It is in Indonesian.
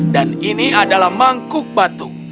dan ini adalah mangkuk batu